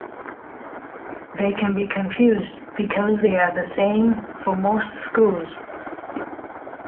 They can be confused because they are the same for most screws.